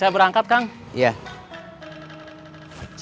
masih ada yang nangis